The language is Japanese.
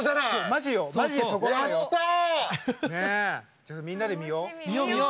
ちょっとみんなで見よう。